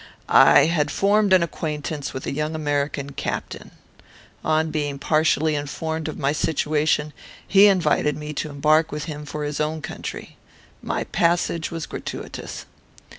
I had formed an acquaintance with a young American captain. On being partially informed of my situation, he invited me to embark with him for his own country. My passage was gratuitous.